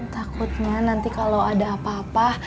takutnya nanti kalau ada apa apa